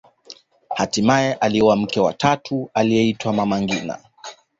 baadaye alioa mke wa tatu aliyeitwa mama ngina